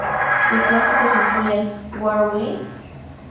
Sus clásicos incluyen "Who Are We?